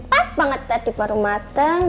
pas banget tadi baru matang